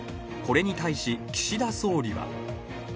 これに対し岸田総理は。